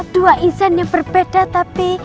dua event yang berbeda tapi